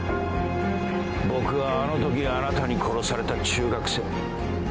僕はあのときあなたに殺された中学生。